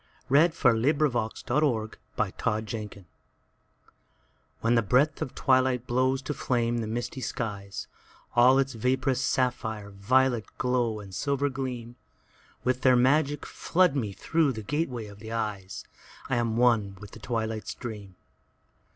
1918. 3. By the Margin of the Great Deep WHEN the breath of twilight blows to flame the misty skies, All its vaporous sapphire, violet glow and silver gleamWith their magic flood me through the gateway of the eyes;I am one with the twilight's dream.